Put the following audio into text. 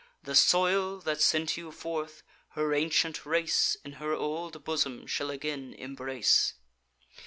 The soil that sent you forth, her ancient race In her old bosom shall again embrace.